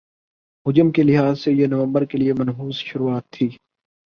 حجم کے لحاظ سے یہ نومبر کے لیے منحوس شروعات تھِی